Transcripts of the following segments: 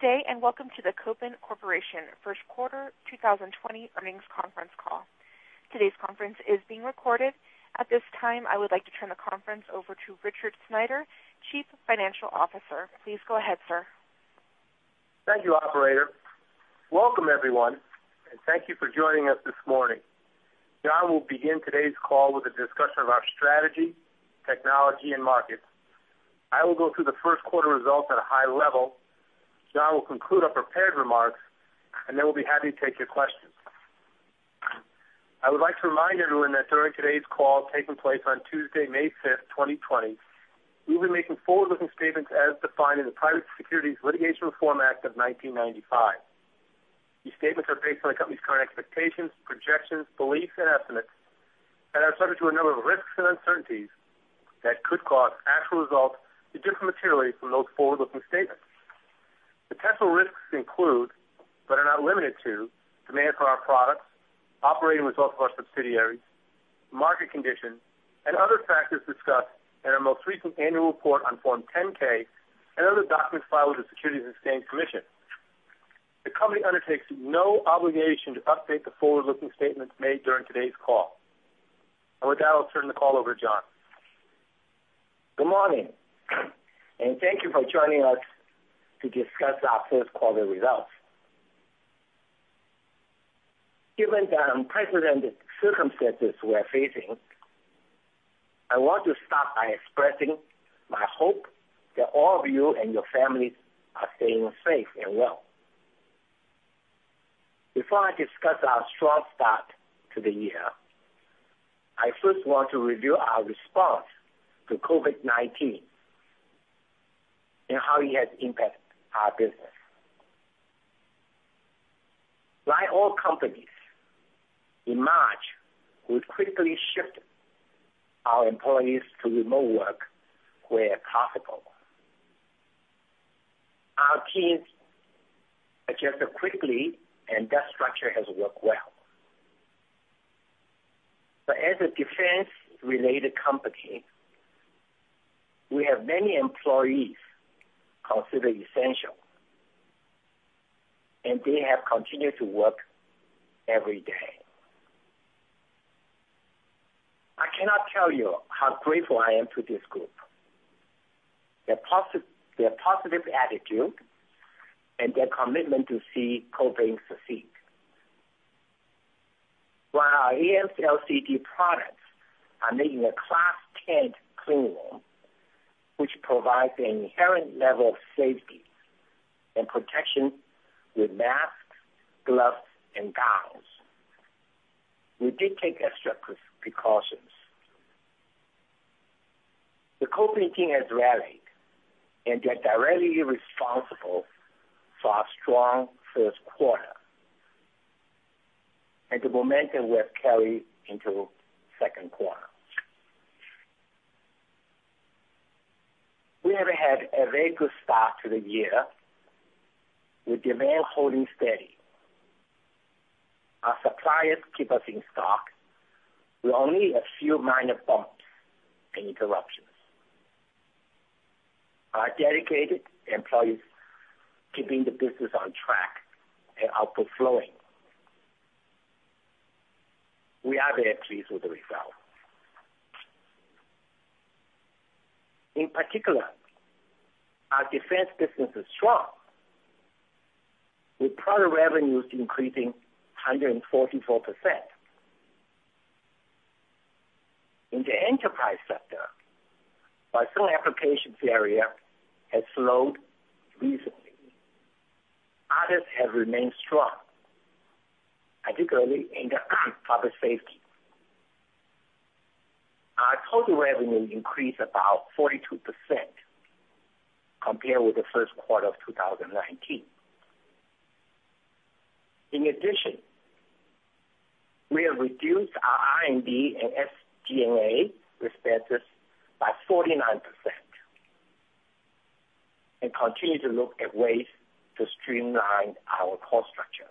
Good day. Welcome to the Kopin Corporation First Quarter 2020 Earnings Conference Call. Today's conference is being recorded. At this time, I would like to turn the conference over to Richard Sneider, Chief Financial Officer. Please go ahead, sir. Thank you, operator. Welcome everyone. Thank you for joining us this morning. John will begin today's call with a discussion of our strategy, technology, and markets. I will go through the first quarter results at a high level. John will conclude our prepared remarks, and then we'll be happy to take your questions. I would like to remind everyone that during today's call, taking place on Tuesday, May 5th, 2020, we'll be making forward-looking statements as defined in the Private Securities Litigation Reform Act of 1995. These statements are based on the company's current expectations, projections, beliefs, and estimates, and are subject to a number of risks and uncertainties that could cause actual results to differ materially from those forward-looking statements. Potential risks include, but are not limited to, demand for our products, operating results of our subsidiaries, market conditions, and other factors discussed in our most recent annual report on Form 10-K and other documents filed with the Securities and Exchange Commission. The company undertakes no obligation to update the forward-looking statements made during today's call. With that, I'll turn the call over to John. Good morning, and thank you for joining us to discuss our first quarter results. Given the unprecedented circumstances we're facing, I want to start by expressing my hope that all of you and your families are staying safe and well. Before I discuss our strong start to the year, I first want to review our response to COVID-19 and how it has impacted our business. Like all companies, in March, we quickly shifted our employees to remote work where possible. As a defense-related company, we have many employees considered essential, and they have continued to work every day. I cannot tell you how grateful I am to this group, their positive attitude, and their commitment to see Kopin succeed. While our AMLCD products are made in a Class 10 clean room, which provides an inherent level of safety and protection with masks, gloves, and gowns, we did take extra precautions. The Kopin team has rallied, and they are directly responsible for our strong first quarter and the momentum we have carried into second quarter. We have had a very good start to the year, with demand holding steady. Our suppliers keep us in stock with only a few minor bumps and interruptions. Our dedicated employees keeping the business on track and output flowing. We are very pleased with the results. In particular, our defense business is strong, with product revenues increasing 144%. In the enterprise sector, while some applications area has slowed recently, others have remained strong, particularly in the public safety. Our total revenue increased about 42% compared with the first quarter of 2019. In addition, we have reduced our R&D and SG&A expenses by 49% and continue to look at ways to streamline our cost structure.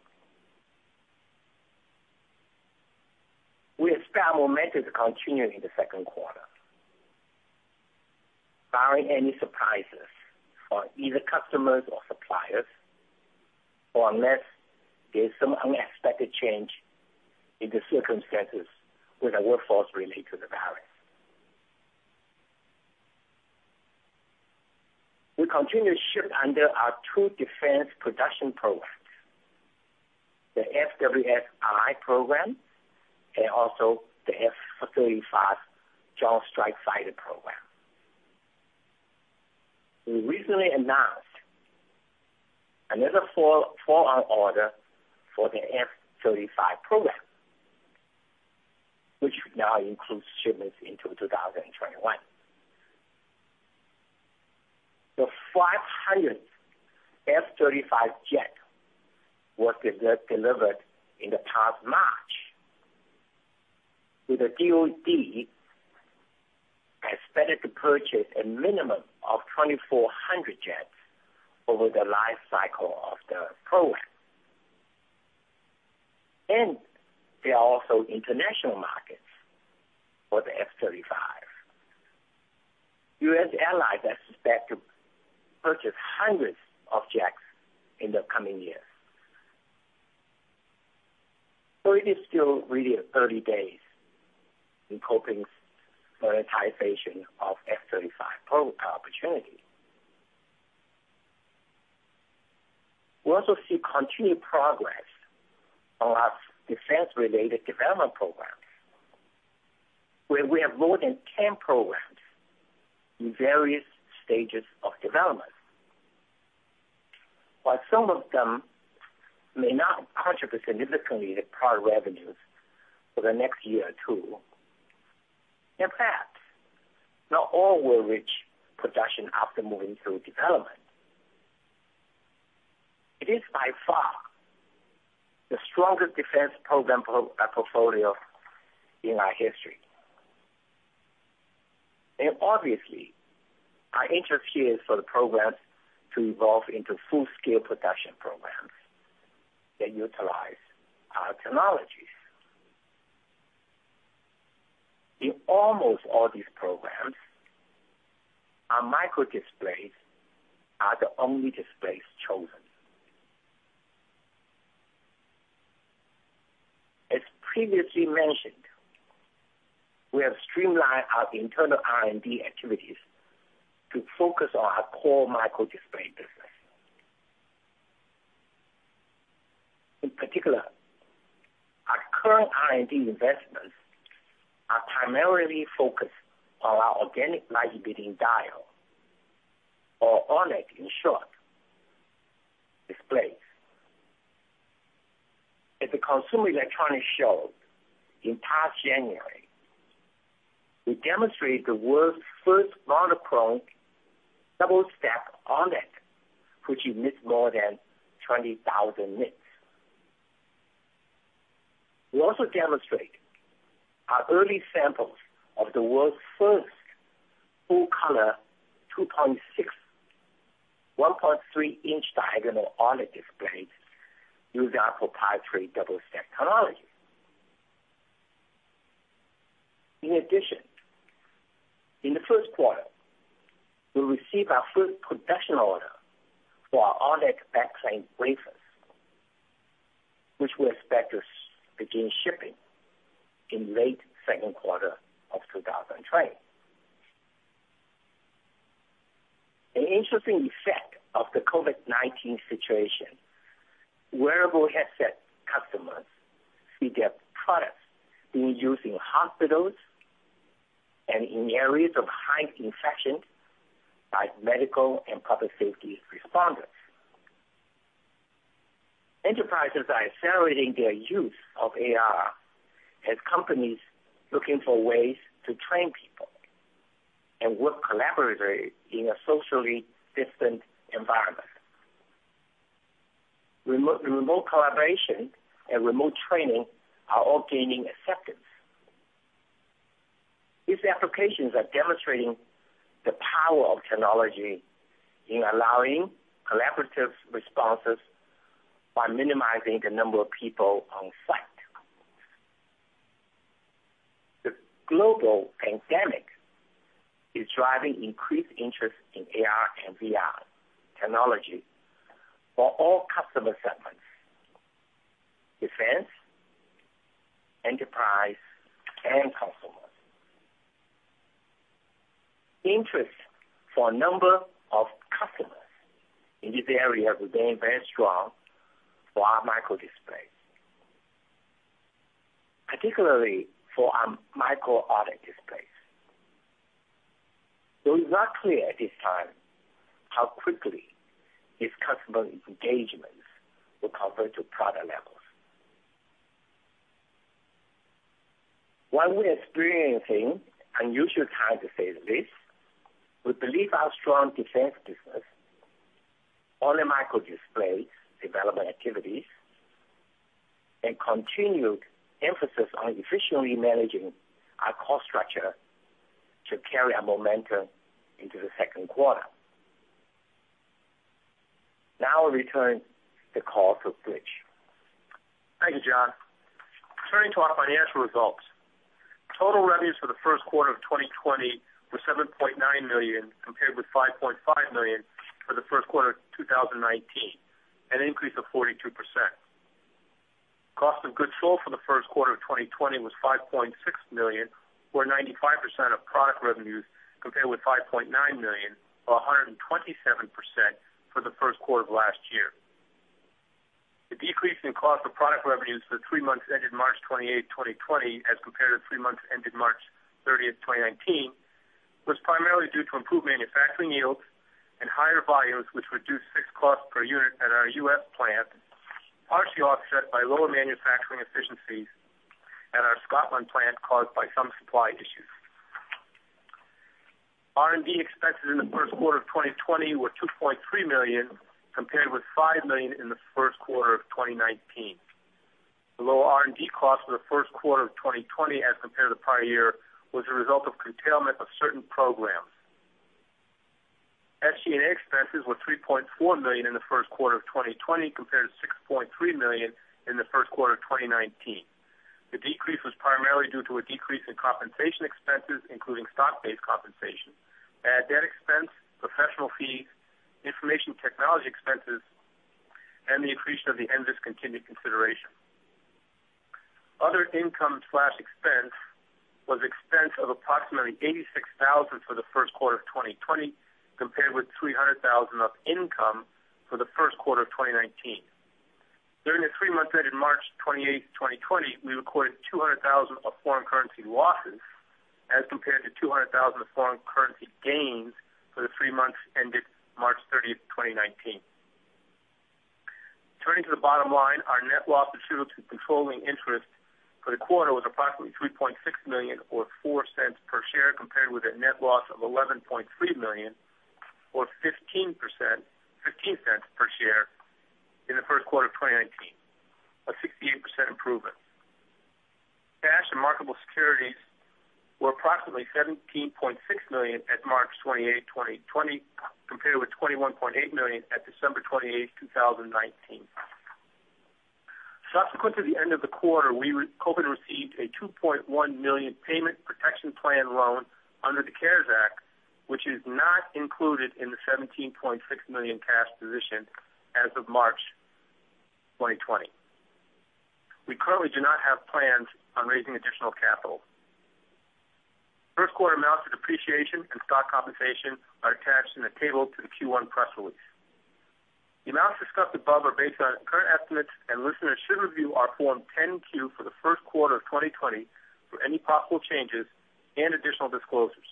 We expect momentum to continue in the second quarter, barring any surprises for either customers or suppliers, or unless there's some unexpected change in the circumstances with our workforce related to the virus. We continue to ship under our two defense production programs, the FWS-I program and also the F-35 Joint Strike Fighter program. We recently announced another follow-on order for the F-35 program, which now includes shipments into 2021. The 500th F-35 jet was delivered in the past March, with the DoD expected to purchase a minimum of 2,400 jets over the life cycle of the program. There are also international markets for the F-35. U.S. allies are expected to purchase hundreds of jets in the coming years. It is still really at 30 days in Kopin's monetization of F-35 program opportunity. We also see continued progress on our defense-related development programs, where we have more than 10 programs in various stages of development. While some of them may not contribute significantly to product revenues for the next year or two, in fact, not all will reach production after moving through development. It is by far the strongest defense program portfolio in our history. Obviously, our interest here is for the programs to evolve into full-scale production programs that utilize our technologies. In almost all these programs, our microdisplays are the only displays chosen. As previously mentioned, we have streamlined our internal R&D activities to focus on our core microdisplay business. In particular, our current R&D investments are primarily focused on our organic light-emitting diode, or OLED in short, displays. At the Consumer Electronics Show in past January, we demonstrated the world's first monochrome double-stack OLED, which emits more than 20,000 nits. We also demonstrated our early samples of the world's first full-color 2.6, 1.3 inch diagonal OLED displays using our proprietary double-stack technology. In addition, in the first quarter, we received our first production order for our OLED back plane wafers, which we expect to begin shipping in late second quarter of 2020. An interesting effect of the COVID-19 situation, wearable headset customers see their products being used in hospitals and in areas of high infection by medical and public safety responders. Enterprises are accelerating their use of AR as companies looking for ways to train people and work collaboratively in a socially distant environment. Remote collaboration and remote training are all gaining acceptance. These applications are demonstrating the power of technology in allowing collaborative responses by minimizing the number of people on site. The global pandemic is driving increased interest in AR and VR technology for all customer segments: defense, enterprise, and consumers. Interest for a number of customers in this area remain very strong for our microdisplays, particularly for our micro OLED displays. Though it's not clear at this time how quickly these customer engagements will convert to product levels. While we are experiencing unusual times as it is, we believe our strong defense business, OLED microdisplay development activities, and continued emphasis on efficiently managing our cost structure should carry our momentum into the second quarter. Now I return the call to Rich. Thank you, John. Turning to our financial results. Total revenues for the first quarter of 2020 were $7.9 million compared with $5.5 million for the first quarter of 2019, an increase of 42%. Cost of goods sold for the first quarter of 2020 was $5.6 million, or 95% of product revenues, compared with $5.9 million, or 127%, for the first quarter of last year. The decrease in cost of product revenues for the three months ended March 28th, 2020 as compared to the three months ended March 30th, 2019, was primarily due to improved manufacturing yields and higher volumes, which reduced fixed cost per unit at our U.S. plant, partially offset by lower manufacturing efficiencies at our Scotland plant caused by some supply issues. R&D expenses in the first quarter of 2020 were $2.3 million, compared with $5 million in the first quarter of 2019. The lower R&D cost for the first quarter of 2020 as compared to prior year was a result of curtailment of certain programs. SG&A expenses were $3.4 million in the first quarter of 2020 compared to $6.3 million in the first quarter of 2019. The decrease was primarily due to a decrease in compensation expenses, including stock-based compensation, bad debt expense, professional fees, information technology expenses, and the increase of the NVS contingent consideration. Other income/expense was expense of approximately $86,000 for the first quarter of 2020 compared with $300,000 of income for the first quarter of 2019. During the three months ended March 28th, 2020, we recorded $200,000 of foreign currency losses as compared to $200,000 of foreign currency gains for the three months ended March 30th, 2019. Turning to the bottom line, our net loss attributable to controlling interest for the quarter was approximately $3.6 million or $0.04 per share compared with a net loss of $11.3 million or $0.15 per share in the first quarter of 2019. A 68% improvement. Cash and marketable securities were approximately $17.6 million at March 28th, 2020, compared with $21.8 million at December 28th, 2019. Subsequent to the end of the quarter, Kopin received a $2.1 million Paycheck Protection Program loan under the CARES Act, which is not included in the $17.6 million cash position as of March 2020. We currently do not have plans on raising additional capital. First quarter amounts of depreciation and stock compensation are attached in a table to the Q1 press release. The amounts discussed above are based on current estimates, and listeners should review our Form 10-Q for the first quarter of 2020 for any possible changes and additional disclosures.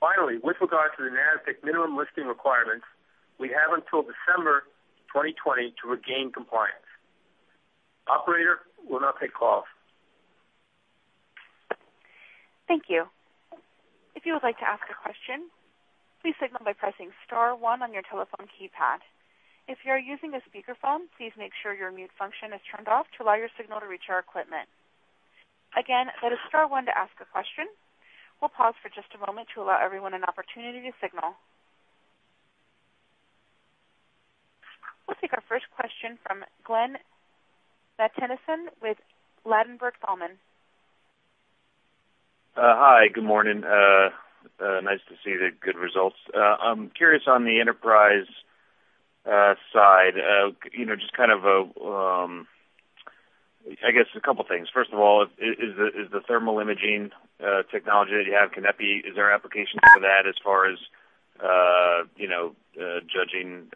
Finally, with regard to the NASDAQ minimum listing requirements, we have until December 2020 to regain compliance. Operator, we'll now take calls. Thank you. If you would like to ask a question, please signal by pressing star one on your telephone keypad. If you are using a speakerphone, please make sure your mute function is turned off to allow your signal to reach our equipment. Again, that is star one to ask a question. We'll pause for just a moment to allow everyone an opportunity to signal. We'll take our first question from Glenn Mattson with Ladenburg Thalmann. Hi. Good morning. Nice to see the good results. I'm curious on the enterprise side. Just a couple things. First of all, is the thermal imaging technology that you have, is there applications for that as far as judging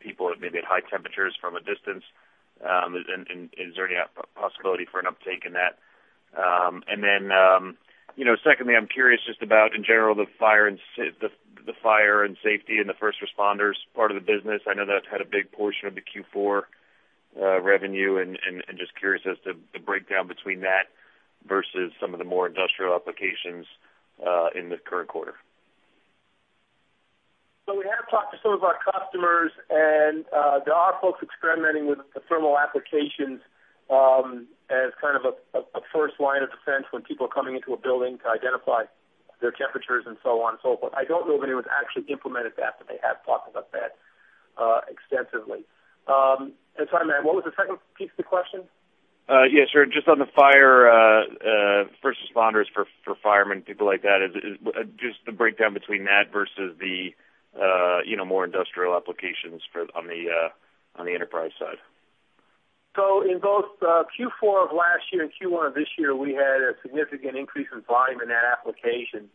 people maybe at high temperatures from a distance? Is there any possibility for an uptick in that? Secondly, I'm curious just about in general, the fire and safety and the first responders part of the business. I know that's had a big portion of the Q4 revenue, and just curious as to the breakdown between that versus some of the more industrial applications in the current quarter. We have talked to some of our customers, and there are folks experimenting with the thermal applications as a first line of defense when people are coming into a building to identify their temperatures and so on and so forth. I don't know of anyone who's actually implemented that, but they have talked about that extensively. Sorry, man, what was the second piece of the question? Yeah, sure. Just on the fire first responders for firemen, people like that, just the breakdown between that versus the more industrial applications on the enterprise side. In both Q4 of last year and Q1 of this year, we had a significant increase in volume in that application.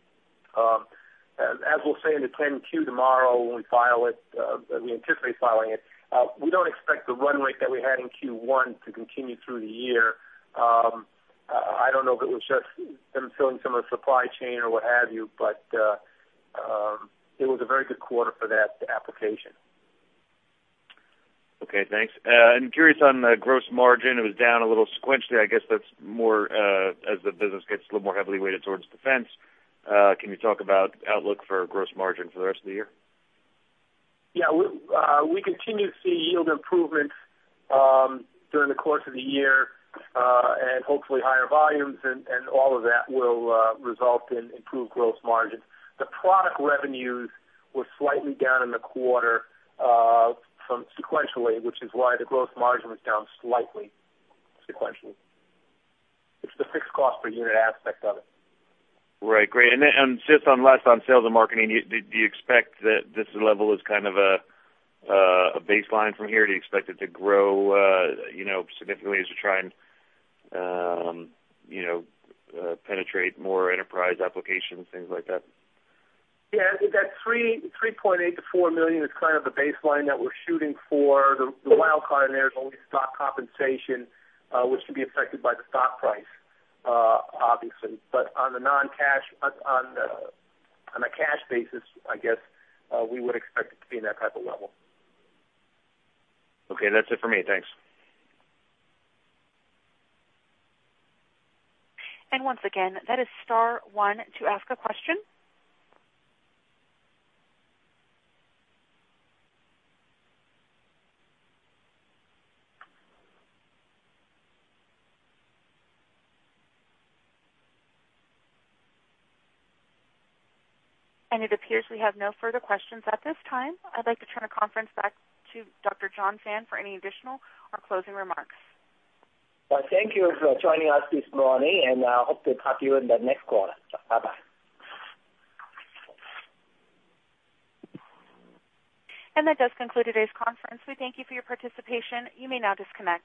As we'll say in the 10-Q tomorrow when we file it, we anticipate filing it. We don't expect the run rate that we had in Q1 to continue through the year. I don't know if it was just them filling some of the supply chain or what have you, but it was a very good quarter for that application. Okay, thanks. I'm curious on gross margin. It was down a little sequentially. I guess that's more as the business gets a little more heavily weighted towards defense. Can you talk about outlook for gross margin for the rest of the year? Yeah. We continue to see yield improvements during the course of the year, and hopefully higher volumes, and all of that will result in improved gross margins. The product revenues were slightly down in the quarter sequentially, which is why the gross margin was down slightly sequentially. It's the fixed cost per unit aspect of it. Right. Great. Just last on sales and marketing. Do you expect that this level is a baseline from here? Do you expect it to grow significantly as you try and penetrate more enterprise applications, things like that? Yeah. I think that $3.8 million-$4 million is the baseline that we're shooting for. The wild card in there is always stock compensation, which can be affected by the stock price, obviously. On a cash basis, I guess, we would expect it to be in that type of level. Okay. That's it for me. Thanks. Once again, that is star one to ask a question. It appears we have no further questions at this time. I'd like to turn the conference back to Dr. John Fan for any additional or closing remarks. Well, thank you for joining us this morning, and I hope to talk to you in the next quarter. Bye-bye. That does conclude today's conference. We thank you for your participation. You may now disconnect.